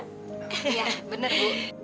iya benar bu